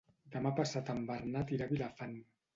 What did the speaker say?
Demà passat en Bernat irà a Vilafant.